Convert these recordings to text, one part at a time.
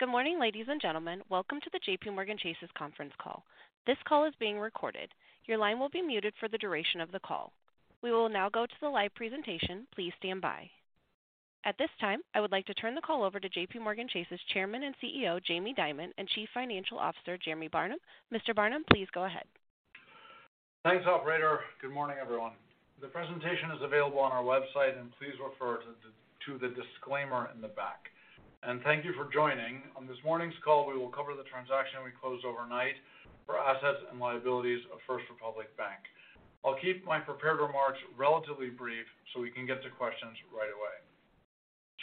Good morning, ladies and gentlemen. Welcome to the JPMorgan Chase's Conference Call. This call is being recorded. Your line will be muted for the duration of the call. We will now go to the live presentation. Please stand by. At this time, I would like to turn the call over to JPMorgan Chase's Chairman and CEO, Jamie Dimon, and Chief Financial Officer, Jeremy Barnum. Mr. Barnum, please go ahead. Thanks, operator. Good morning, everyone. The presentation is available on our website, and please refer to the disclaimer in the back. Thank you for joining. On this morning's call, we will cover the transaction we closed overnight for assets and liabilities of First Republic Bank. I'll keep my prepared remarks relatively brief so we can get to questions right away.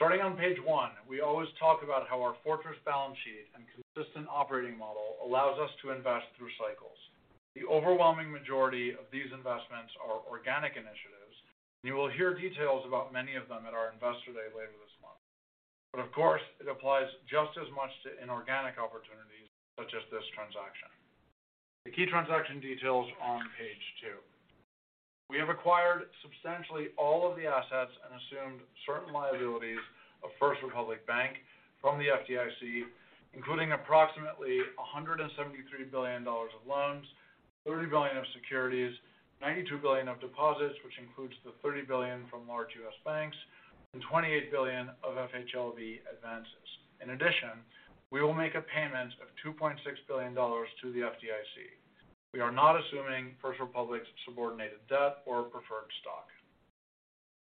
Starting on page one, we always talk about how our fortress balance sheet and consistent operating model allows us to invest through cycles. The overwhelming majority of these investments are organic initiatives. You will hear details about many of them at our Investor Day later this month. Of course, it applies just as much to inorganic opportunities such as this transaction. The key transaction details on page two. We have acquired substantially all of the assets and assumed certain liabilities of First Republic Bank from the FDIC, including approximately $173 billion of loans, $30 billion of securities, $92 billion of deposits, which includes the $30 billion from large U.S. banks, and $28 billion of FHLB advances. We will make a payment of $2.6 billion to the FDIC. We are not assuming First Republic's subordinated debt or preferred stock.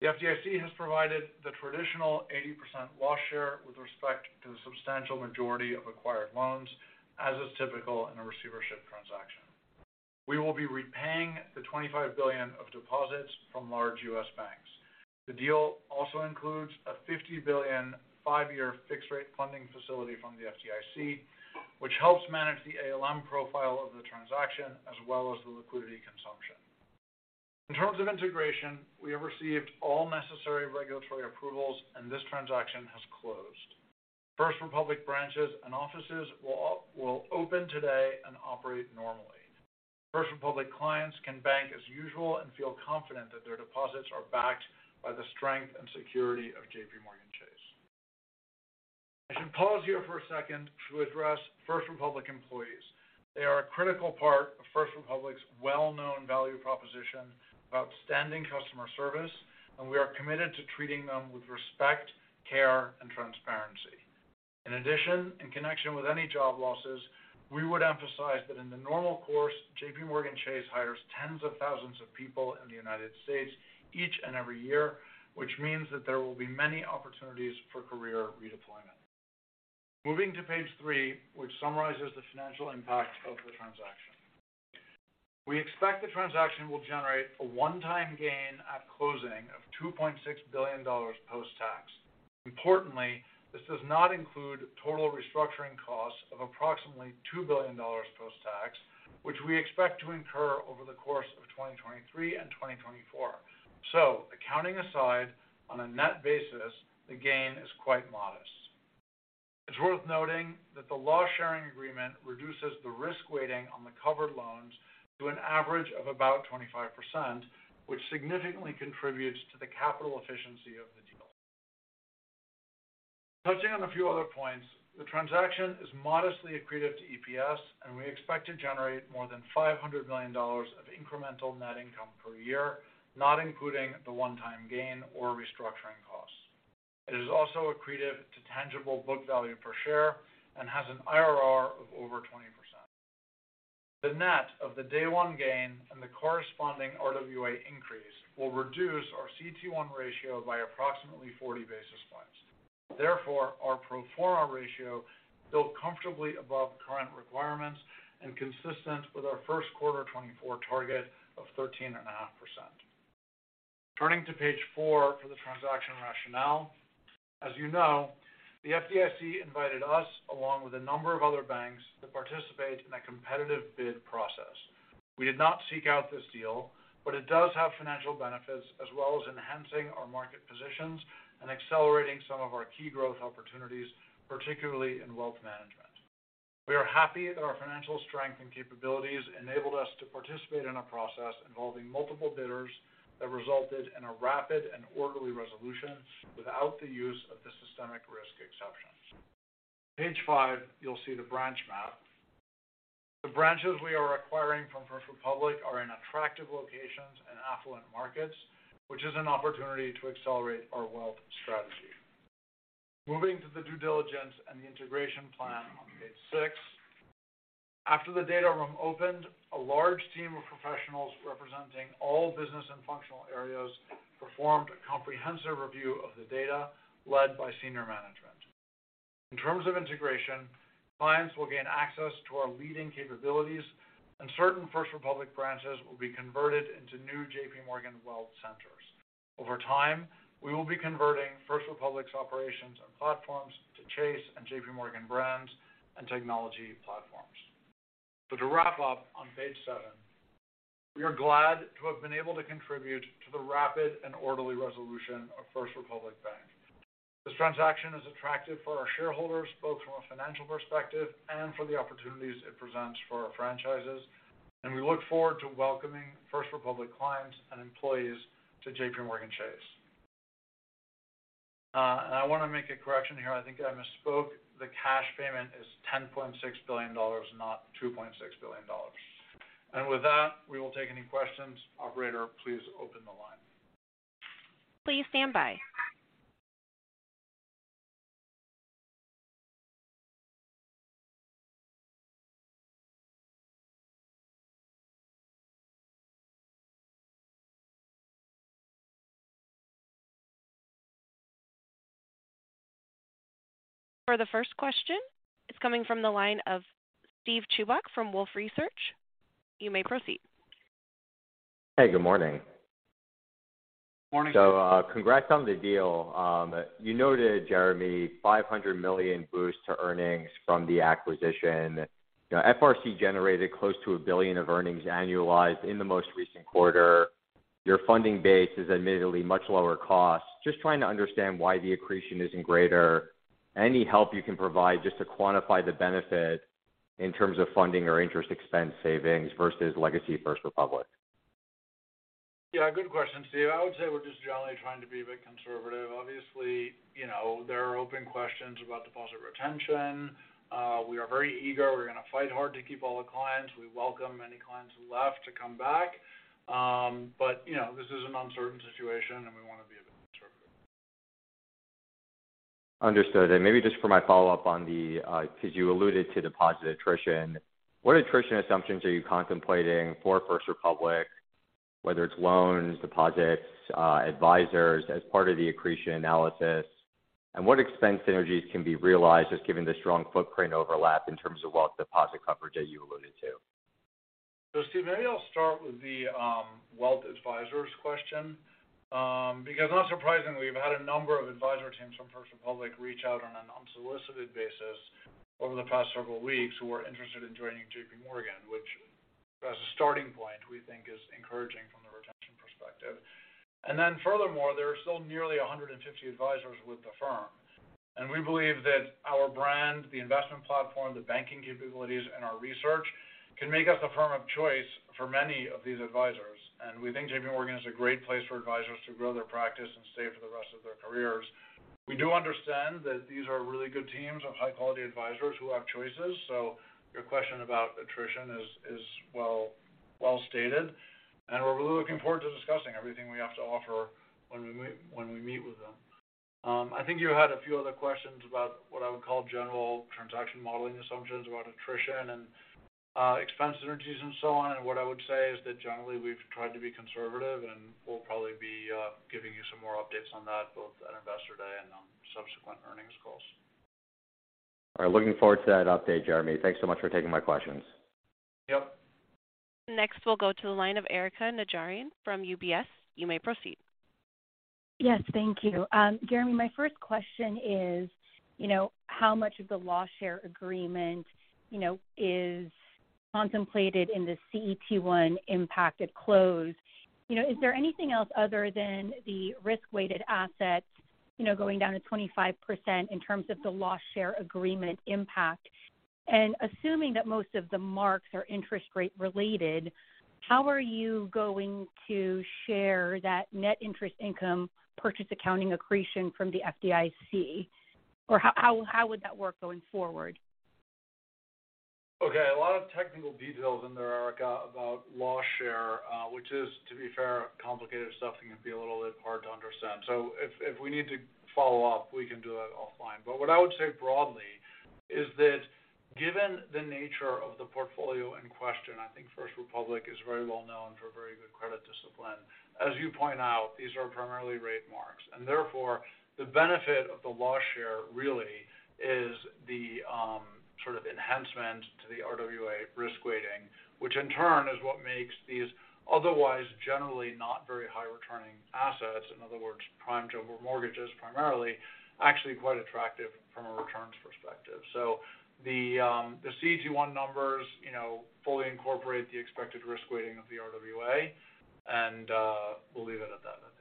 The FDIC has provided the traditional 80% loss share with respect to the substantial majority of acquired loans, as is typical in a receivership transaction. We will be repaying the $25 billion of deposits from large U.S. banks. The deal also includes a $50 billion, five-year fixed rate funding facility from the FDIC, which helps manage the ALM profile of the transaction as well as the liquidity consumption. In terms of integration, we have received all necessary regulatory approvals and this transaction has closed. First Republic branches and offices will open today and operate normally. First Republic clients can bank as usual and feel confident that their deposits are backed by the strength and security of JPMorgan Chase. I should pause here for a second to address First Republic employees. They are a critical part of First Republic's well-known value proposition of outstanding customer service, and we are committed to treating them with respect, care, and transparency. In addition, in connection with any job losses, we would emphasize that in the normal course, JPMorgan Chase hires tens of thousands of people in the United States each and every year, which means that there will be many opportunities for career redeployment. Moving to page three, which summarizes the financial impact of the transaction. We expect the transaction will generate a one-time gain at closing of $2.6 billion post-tax. Importantly, this does not include total restructuring costs of approximately $2 billion post-tax, which we expect to incur over the course of 2023 and 2024. Accounting aside, on a net basis, the gain is quite modest. It's worth noting that the loss sharing agreement reduces the risk weighting on the covered loans to an average of about 25%, which significantly contributes to the capital efficiency of the deal. Touching on a few other points, the transaction is modestly accretive to EPS, and we expect to generate more than $500 million of incremental net income per year, not including the one-time gain or restructuring costs. It is also accretive to tangible book value per share and has an IRR of over 20%. The net of the day one gain and the corresponding RWA increase will reduce our CT1 ratio by approximately 40 basis points. Therefore, our pro forma ratio built comfortably above current requirements and consistent with our first quarter 2024 target of 13.5%. Turning to page four for the transaction rationale. As you know, the FDIC invited us, along with a number of other banks, to participate in a competitive bid process. We did not seek out this deal, but it does have financial benefits, as well as enhancing our market positions and accelerating some of our key growth opportunities, particularly in wealth management. We are happy that our financial strength and capabilities enabled us to participate in a process involving multiple bidders that resulted in a rapid and orderly resolution without the use of the systemic risk exceptions. Page five, you'll see the branch map. The branches we are acquiring from First Republic are in attractive locations and affluent markets, which is an opportunity to accelerate our wealth strategy. Moving to the due diligence and the integration plan on page six. After the data room opened, a large team of professionals representing all business and functional areas performed a comprehensive review of the data, led by senior management. In terms of integration, clients will gain access to our leading capabilities, and certain First Republic branches will be converted into new JPMorgan Wealth centers. Over time, we will be converting First Republic's operations and platforms to Chase and JPMorgan brands and technology platforms. To wrap up on page 7, we are glad to have been able to contribute to the rapid and orderly resolution of First Republic Bank. This transaction is attractive for our shareholders, both from a financial perspective and for the opportunities it presents for our franchises, and we look forward to welcoming First Republic clients and employees to JPMorgan Chase. I want to make a correction here. I think I misspoke. The cash payment is $10.6 billion, not $2.6 billion. With that, we will take any questions. Operator, please open the line. Please stand by. For the first question, it's coming from the line of Steve Chubak from Wolfe Research. You may proceed. Hey, good morning. Morning. Congrats on the deal. You noted, Jeremy, $500 million boost to earnings from the acquisition. You know, FRC generated close to $1 billion of earnings annualized in the most recent quarter. Your funding base is admittedly much lower cost. Just trying to understand why the accretion isn't greater. Any help you can provide just to quantify the benefit in terms of funding or interest expense savings versus legacy First Republic? Yeah, good question, Steve. I would say we're just generally trying to be a bit conservative. Obviously, you know, there are open questions about deposit retention. We are very eager. We're gonna fight hard to keep all the clients. We welcome any clients who left to come back. You know, this is an uncertain situation, and we wanna be a bit conservative. Understood. Maybe just for my follow-up on the because you alluded to deposit attrition. What attrition assumptions are you contemplating for First Republic, whether it's loans, deposits, advisors, as part of the accretion analysis? What expense synergies can be realized just given the strong footprint overlap in terms of wealth deposit coverage that you alluded to? Steve, maybe I'll start with the wealth advisors question. Because not surprisingly, we've had a number of advisor teams from First Republic reach out on an unsolicited basis over the past several weeks who are interested in joining JPMorgan, which, as a starting point, we think is encouraging from the retention perspective. Furthermore, there are still nearly 150 advisors with the firm. We believe that our brand, the investment platform, the banking capabilities, and our research can make us a firm of choice for many of these advisors. We think JPMorgan is a great place for advisors to grow their practice and stay for the rest of their careers. We do understand that these are really good teams of high-quality advisors who have choices, so your question about attrition is well-stated, and we're really looking forward to discussing everything we have to offer when we meet with them. I think you had a few other questions about what I would call general transaction modeling assumptions about attrition and expense synergies and so on. What I would say is that generally we've tried to be conservative, and we'll probably be giving you some more updates on that both at Investor Day and on subsequent earnings calls. All right. Looking forward to that update, Jeremy. Thanks so much for taking my questions. Yep. Next, we'll go to the line of Erika Najarian from UBS. You may proceed. Yes, thank you. Jeremy, my first question is, you know, how much of the loss share agreement, you know, is contemplated in the CET1 impact at close? You know, is there anything else other than the risk-weighted assets, you know, going down to 25% in terms of the loss share agreement impact? And assuming that most of the marks are interest rate related, how are you going to share that net interest income purchase accounting accretion from the FDIC? Or how would that work going forward? A lot of technical details in there, Erika, about loss share, which is, to be fair, complicated stuff and can be a little bit hard to understand. If we need to follow up, we can do that offline. What I would say broadly is that given the nature of the portfolio in question, I think First Republic is very well known for very good credit discipline. As you point out, these are primarily rate marks. Therefore, the benefit of the loss share really is the sort of enhancement to the RWA risk weighting, which in turn is what makes these otherwise generally not very high returning assets, in other words, prime jumbo mortgages primarily, actually quite attractive from a returns perspective. The CET1 numbers, you know, fully incorporate the expected risk weighting of the RWA, and we'll leave it at that, I think.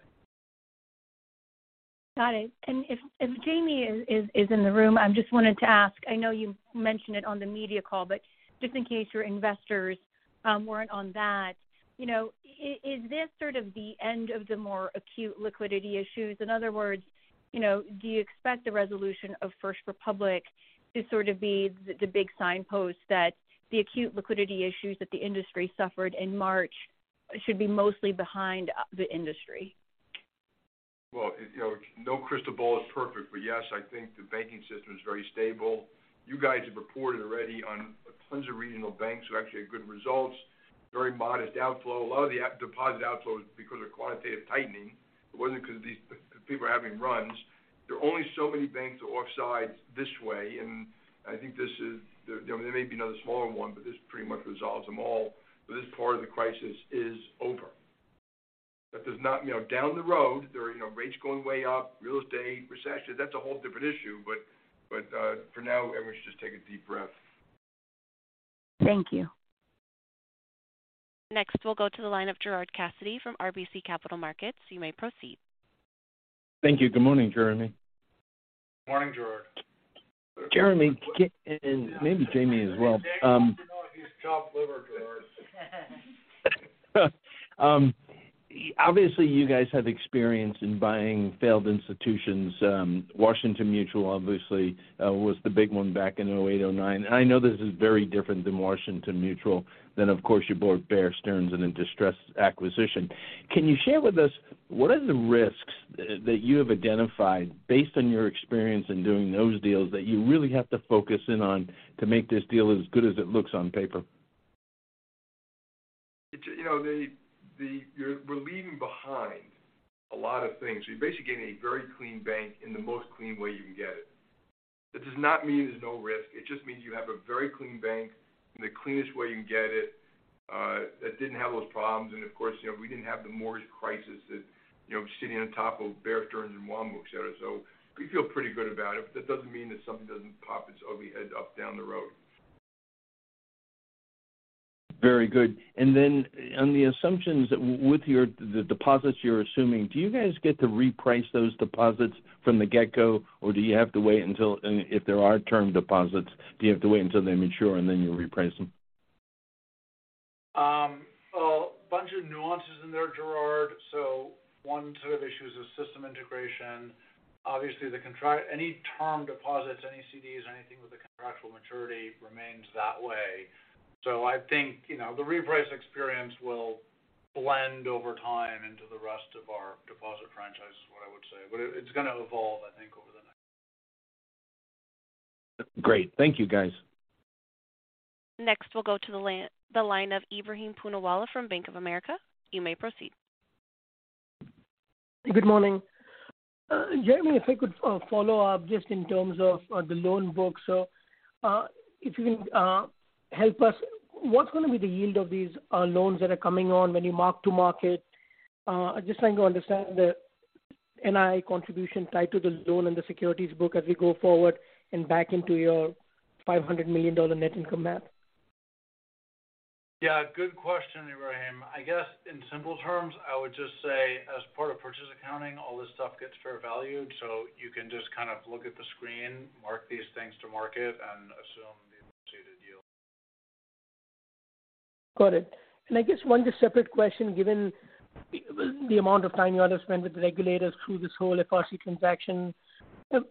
Got it. If Jamie is in the room, I just wanted to ask, I know you mentioned it on the media call, but just in case your investors weren't on that. You know, is this sort of the end of the more acute liquidity issues? In other words, you know, do you expect the resolution of First Republic to sort of be the big signpost that the acute liquidity issues that the industry suffered in March should be mostly behind the industry? Well, you know, no crystal ball is perfect, but yes, I think the banking system is very stable. You guys have reported already on tons of regional banks who actually had good results, very modest outflow. A lot of the deposit outflow is because of Quantitative Tightening. It wasn't because people are having runs. There are only so many banks are offside this way, and I think this is, you know, there may be another smaller one, but this pretty much resolves them all. This part of the crisis is over. That does not. You know, down the road, there are, you know, rates going way up, real estate, recession, that's a whole different issue. For now, everyone should just take a deep breath. Thank you. We'll go to the line of Gerard Cassidy from RBC Capital Markets. You may proceed. Thank you. Good morning, Jeremy. Morning, Gerard. Jeremy, and maybe Jamie as well. Obviously, you guys have experience in buying failed institutions. Washington Mutual, obviously, was the big one back in 2008, 2009. I know this is very different than Washington Mutual. Of course, you bought Bear Stearns in a distressed acquisition. Can you share with us what are the risks that you have identified based on your experience in doing those deals that you really have to focus in on to make this deal as good as it looks on paper? you know, we're leaving behind a lot of things. You're basically getting a very clean bank in the most clean way you can get it. That does not mean there's no risk. It just means you have a very clean bank in the cleanest way you can get it that didn't have those problems. Of course, you know, we didn't have the mortgage crisis that, you know, sitting on top of Bear Stearns and WaMu, et cetera. We feel pretty good about it. That doesn't mean that something doesn't pop its ugly head up down the road. Very good. On the assumptions the deposits you're assuming, do you guys get to reprice those deposits from the get-go, or do you have to wait if there are term deposits, do you have to wait until they mature and then you reprice them? A bunch of nuances in there, Gerard. One set of issues is system integration. Obviously any term deposits, any CDs, anything with a contractual maturity remains that way. I think, you know, the reprice experience will blend over time into the rest of our deposit franchise is what I would say. But it's gonna evolve, I think, over the next. Great. Thank you, guys. Next, we'll go to the line of Ebrahim Poonawala from Bank of America. You may proceed. Good morning. Jeremy, if I could follow up just in terms of the loan book. If you can help us, what's gonna be the yield of these loans that are coming on when you mark-to-market? Just trying to understand the NI contribution tied to the loan and the securities book as we go forward and back into your $500 million net income map. Yeah, good question, Ebrahim. I guess in simple terms, I would just say as part of purchase accounting, all this stuff gets fair valued. You can just kind of look at the screen, mark these things to market and assume the associated yield. Got it. I guess one just separate question, given the amount of time you had to spend with the regulators through this whole FRC transaction,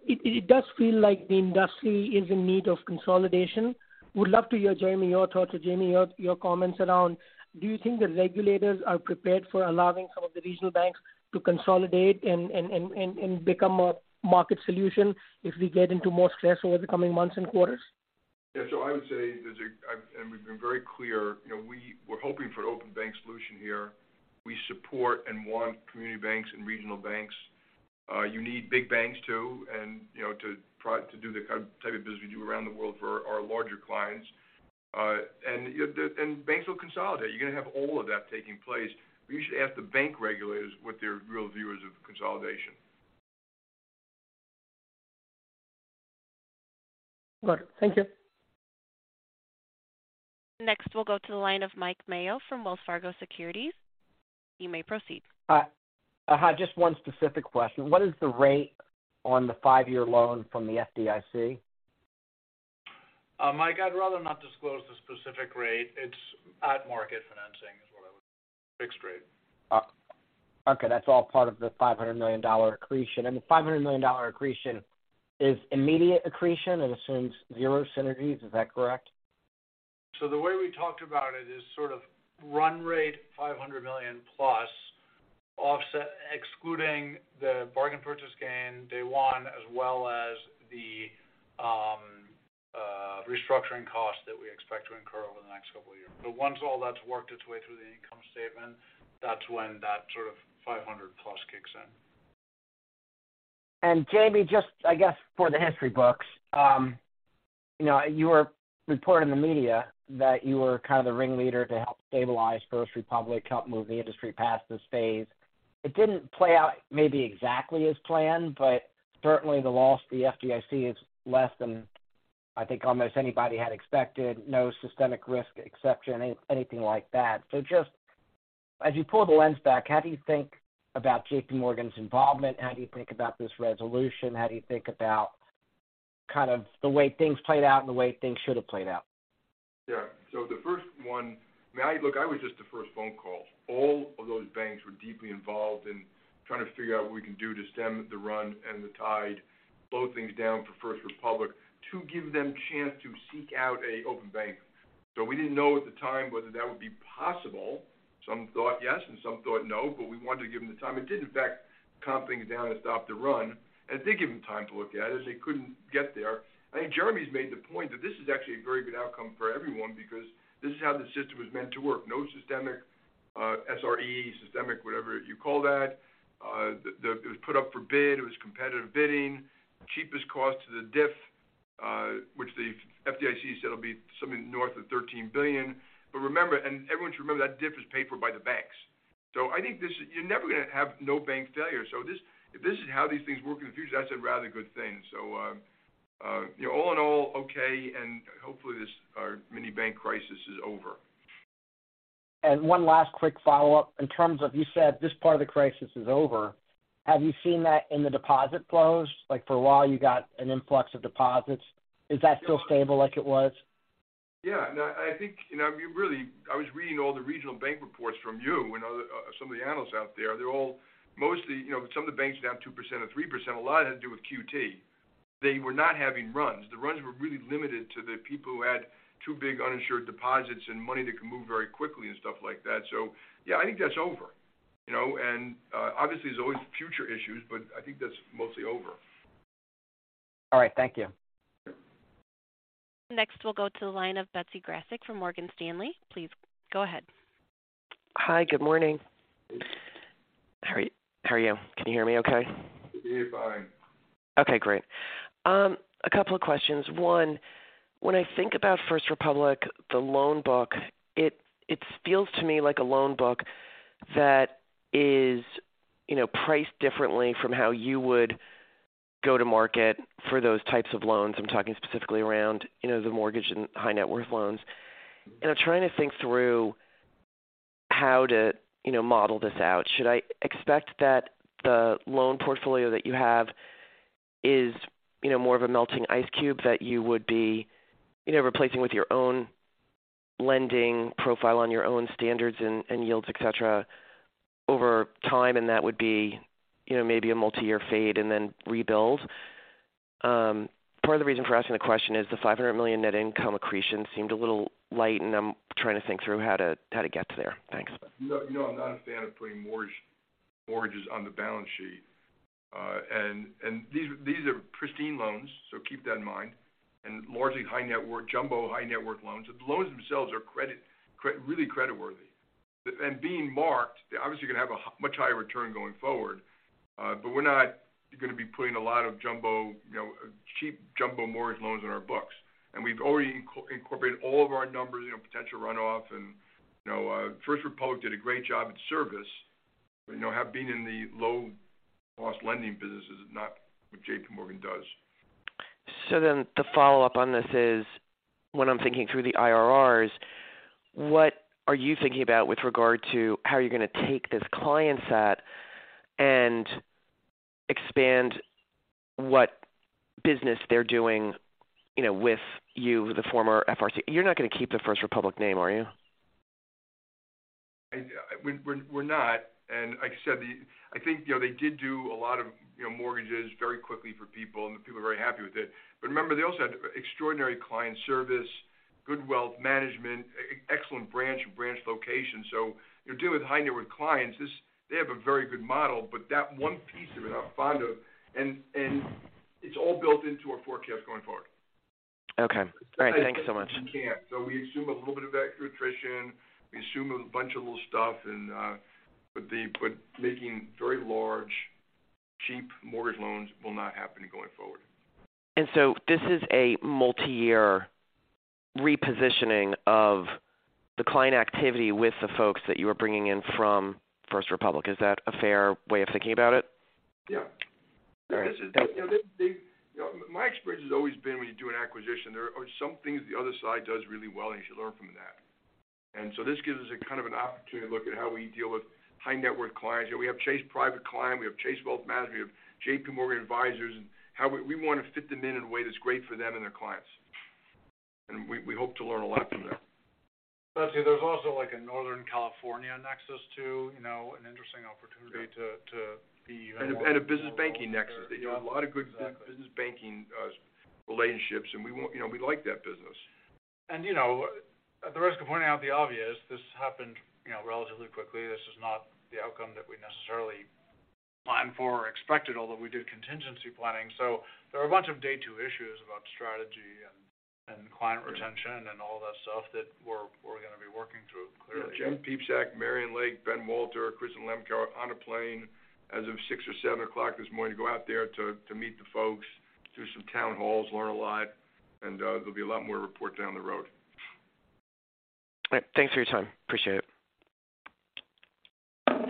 it does feel like the industry is in need of consolidation. Would love to hear, Jamie, your thoughts, or Jamie, your comments around do you think the regulators are prepared for allowing some of the regional banks to consolidate and become a market solution if we get into more stress over the coming months and quarters? Yeah. I would say we've been very clear, you know, we're hoping for an open bank solution here. We support and want community banks and regional banks. You need big banks too, and, you know, to do the type of business we do around the world for our larger clients. Banks will consolidate. You're gonna have all of that taking place. You should ask the bank regulators what their real view is of consolidation. Got it. Thank you. Next, we'll go to the line of Mike Mayo from Wells Fargo Securities. You may proceed. Hi. I have just one specific question. What is the rate on the five-year loan from the FDIC? Mike, I'd rather not disclose the specific rate. It's at market financing is what I would say. Fixed rate. Okay. That's all part of the $500 million accretion. The $500 million accretion is immediate accretion. It assumes zero synergies. Is that correct? The way we talked about it is sort of run rate $500 million-plus excluding the bargain purchase gain day one, as well as the restructuring costs that we expect to incur over the next couple of years. Once all that's worked its way through the income statement, that's when that sort of $500+ kicks in. Jamie, just I guess for the history books, you know, you were reported in the media that you were kind of the ringleader to help stabilize First Republic, help move the industry past this Phase. It didn't play out maybe exactly as planned, but certainly the loss to the FDIC is less than I think almost anybody had expected. No systemic risk exception, anything like that. Just as you pull the lens back, how do you think about JPMorgan's involvement? How do you think about this resolution? How do you think about kind of the way things played out and the way things should have played out? Yeah. I mean, look, I was just the first phone call. All of those banks were deeply involved in trying to figure out what we can do to stem the run and the tide, slow things down for First Republic to give them chance to seek out a open bank. We didn't know at the time whether that would be possible. Some thought yes, and some thought no, but we wanted to give them the time. It did, in fact, calm things down and stop the run. It did give them time to look at it, and they couldn't get there. I think Jeremy's made the point that this is actually a very good outcome for everyone because this is how the system was meant to work. No systemic, SRE, systemic, whatever you call that. It was put up for bid. It was competitive bidding. Cheapest cost to the DIF, which the FDIC said will be something north of $13 billion. Remember, and everyone should remember that DIF is paid for by the banks. I think you're never gonna have no bank failure. If this is how these things work in the future, that's a rather good thing. You know, all in all, okay, and hopefully this, our mini bank crisis is over. One last quick follow-up. In terms of you said this part of the crisis is over, have you seen that in the deposit flows? Like for a while, you got an influx of deposits. Is that still stable like it was? No, I think, you know, really, I was reading all the regional bank reports from you and other, some of the analysts out there, they're all mostly, you know, some of the banks are down 2% or 3%. A lot had to do with QT. They were not having runs. The runs were really limited to the people who had too big uninsured deposits and money that can move very quickly and stuff like that. Yeah, I think that's over, you know. Obviously, there's always future issues, but I think that's mostly over. All right. Thank you. Next, we'll go to the line of Betsy Graseck from Morgan Stanley. Please go ahead. Hi, good morning. How are you? Can you hear me okay? We can hear you fine. Okay, great. A couple of questions. One, when I think about First Republic, the loan book, it feels to me like a loan book that is, you know, priced differently from how you would go to market for those types of loans. I'm talking specifically around, you know, the mortgage and high net worth loans. And I'm trying to think through how to, you know, model this out. Should I expect that the loan portfolio that you have is, you know, more of a melting ice cube that you would be, you know, replacing with your own lending profile on your own standards and yields, et cetera, over time, and that would be, you know, maybe a multi-year fade and then rebuild? Part of the reason for asking the question is the $500 million net income accretion seemed a little light, and I'm trying to think through how to, how to get there. Thanks. Look, you know, I'm not a fan of putting mortgages on the balance sheet. These are pristine loans, so keep that in mind. Largely high net worth, jumbo high net worth loans. The loans themselves are really creditworthy. Being marked, they're obviously gonna have a much higher return going forward. But we're not gonna be putting a lot of jumbo, you know, cheap jumbo mortgage loans on our books. We've already incorporated all of our numbers, you know, potential runoff. You know, First Republic did a great job at service. You know, being in the low-cost lending business is not what JPMorgan does. The follow-up on this is, when I'm thinking through the IRRs, what are you thinking about with regard to how you're gonna take this client set and expand what business they're doing, you know, with you, the former FRC? You're not gonna keep the First Republic name, are you? We're not. Like I said, I think, you know, they did do a lot of, you know, mortgages very quickly for people, and the people are very happy with it. Remember, they also had extraordinary client service, good wealth management, excellent branch location. You're dealing with high net worth clients, they have a very good model, but that one piece of it, I'm fond of. It's all built into our forecast going forward. Okay. All right. Thank you so much. We can't. We assume a little bit of attrition. We assume a bunch of little stuff and, but making very large, cheap mortgage loans will not happen going forward. This is a multi-year repositioning of the client activity with the folks that you are bringing in from First Republic. Is that a fair way of thinking about it? Yeah. All right. This is, you know, they. You know, my experience has always been when you do an acquisition, there are some things the other side does really well, and you should learn from that. This gives us a kind of an opportunity to look at how we deal with high net worth clients. You know, we have Chase Private Client, we have Chase Wealth Management, we have JPMorgan Advisors, and how we wanna fit them in in a way that's great for them and their clients. We hope to learn a lot from them. Betsy, there's also like a Northern California nexus, too, you know, an interesting opportunity to. A business banking nexus. They do a lot of good business banking relationships. You know, we like that business. You know, at the risk of pointing out the obvious, this happened, you know, relatively quickly. This is not the outcome that we necessarily planned for or expected, although we do contingency planning. There are a bunch of day two issues about strategy and client retention and all that stuff that we're gonna be working through, clearly. Yeah. Jennifer Piepszak, Marianne Lake, Ben Walter, Kristin Lemkau are on a plane as of six or seven o'clock this morning to go out there to meet the folks, do some town halls, learn a lot. There'll be a lot more to report down the road. All right. Thanks for your time. Appreciate it.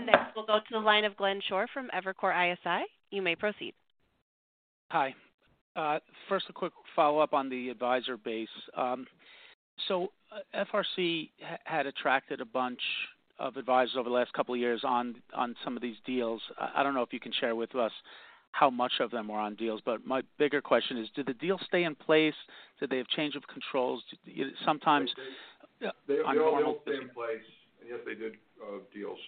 Next, we'll go to the line of Glenn Schorr from Evercore ISI. You may proceed. Hi. First, a quick follow-up on the advisor base. FRC had attracted a bunch of advisors over the last couple of years on some of these deals. I don't know if you can share with us how much of them are on deals, but my bigger question is, do the deals stay in place? Do they have change of controls? Sometimes- They. I'm going- They all stay in place. Yes, they did deals.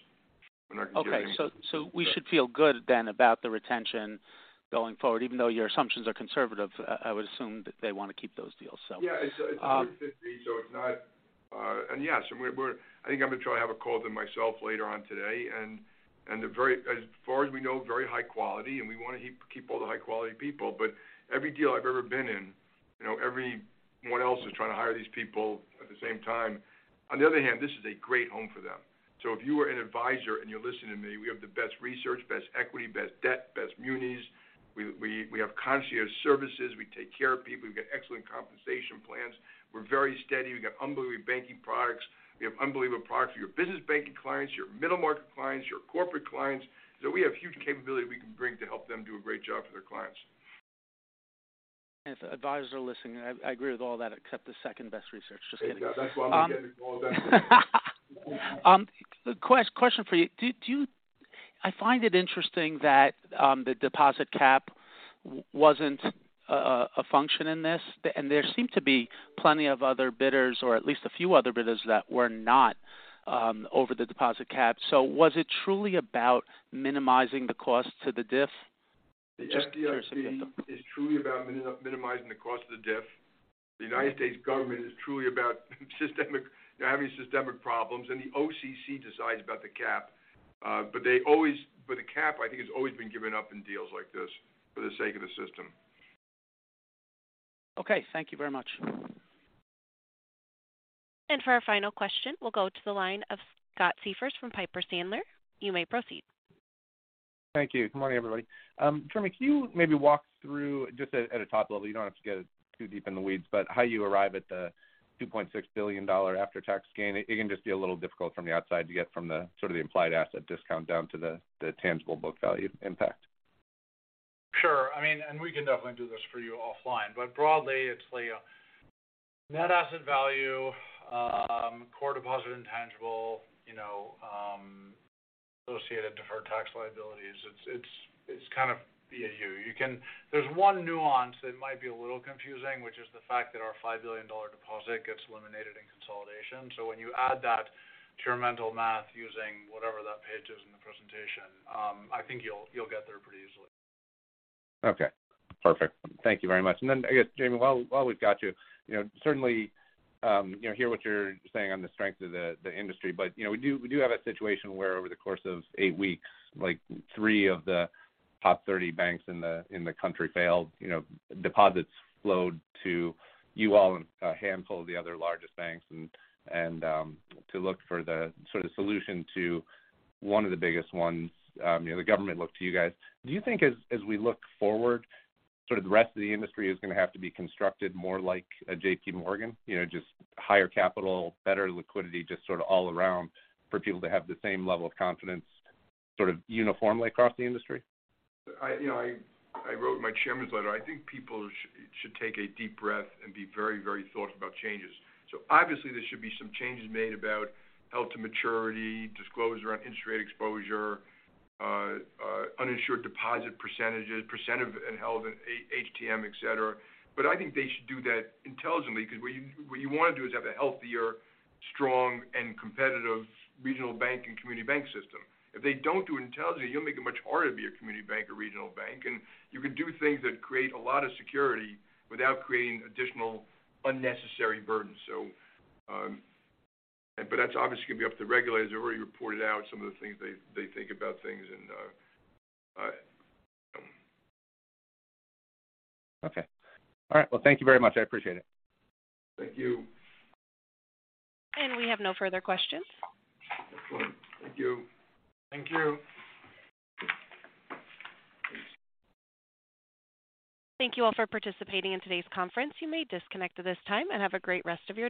I'm not gonna give any. We should feel good then about the retention going forward. Even though your assumptions are conservative, I would assume that they wanna keep those deals, so. Yeah. It's over 50, so it's not. Yes, I think I'm gonna try to have a call to them myself later on today. They're very, as far as we know, very high quality, and we wanna keep all the high-quality people. Every deal I've ever been in, you know, everyone else is trying to hire these people at the same time. On the other hand, this is a great home for them. If you are an advisor and you're listening to me, we have the best research, best equity, best debt, best munis. We have concierge services. We take care of people. We've got excellent compensation plans. We're very steady. We got unbelievable banking products. We have unbelievable products for your business banking clients, your middle market clients, your corporate clients. We have huge capability we can bring to help them do a great job for their clients. If advisors are listening, I agree with all that except the second-best research. Just kidding. That's why I'm getting involved in that. The question for you. I find it interesting that the deposit cap wasn't a function in this, and there seemed to be plenty of other bidders or at least a few other bidders that were not over the deposit cap. Was it truly about minimizing the cost to the DIF? Just curious. The FDIC is truly about minimizing the cost of the DIF. The United States government is truly about having systemic problems. The OCC decides about the cap. The cap, I think, has always been given up in deals like this for the sake of the system. Okay. Thank you very much. For our final question, we'll go to the line of Scott Siefers from Piper Sandler. You may proceed. Thank you. Good morning, everybody. Jamie, can you maybe walk through just at a top level, you don't have to get too deep in the weeds, but how you arrive at the $2.6 billion after-tax gain. It can just be a little difficult from the outside to get from the sort of the implied asset discount down to the tangible book value impact. Sure. I mean, and we can definitely do this for you offline, but broadly, it's like net asset value, core deposit intangible, you know, associated deferred tax liabilities. It's kind of EU. There's one nuance that might be a little confusing, which is the fact that our $5 billion deposit gets eliminated in consolidation. When you add that to your mental math using whatever that page is in the presentation, I think you'll get there pretty easily. Okay. Perfect. Thank you very much. Then, I guess, Jamie, while we've got you know, certainly, you know, hear what you're saying on the strength of the industry. You know, we do have a situation where over the course of eight weeks, like, three of the top 30 banks in the country failed. You know, deposits flowed to you all and a handful of the other largest banks and to look for the sort of solution to one of the biggest ones, you know, the government looked to you guys. Do you think as we look forward, sort of the rest of the industry is gonna have to be constructed more like a JPMorgan? You know, just higher capital, better liquidity, just sort of all around for people to have the same level of confidence, sort of uniformly across the industry. I, you know, I wrote in my Chairman's Letter, I think people should take a deep breath and be very, very thoughtful about changes. Obviously there should be some changes made about held to maturity, disclosure on interest rate exposure, uninsured deposit %, and held in A-HTM, et cetera. I think they should do that intelligently because what you wanna do is have a healthier, strong, and competitive regional bank and community bank system. If they don't do it intelligently, you'll make it much harder to be a community bank or regional bank, and you can do things that create a lot of security without creating additional unnecessary burden. That's obviously going to be up to the regulators. They already reported out some of the things they think about things. Okay. All right. Well, thank you very much. I appreciate it. Thank you. We have no further questions. Excellent. Thank you. Thank you. Thank you all for participating in today's conference. You may disconnect at this time, and have a great rest of your day.